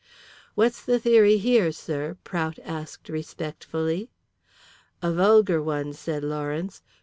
"What's the theory here, sir?" Prout asked respectfully. "A vulgar one," said Lawrence.